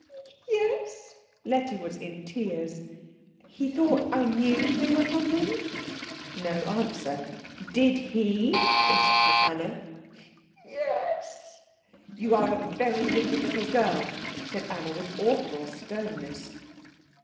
"Ye es." Letty was in tears. "He thought I knew they were from him?" No answer. "Did he?" insisted Anna. "Ye es." "You are a very wicked little girl," said Anna, with awful sternness.